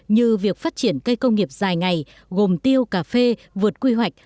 như việc phát triển cây công nghiệp dài ngày gồm tiêu cà phê vượt quy hoạch